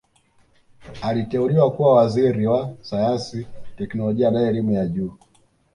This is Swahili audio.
Aliteuliwa kuwa Waziri wa Sayansi Teknolojia na Elimu ya Juu